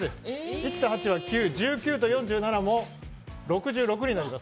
１と８は９、１９と４７も６６になります。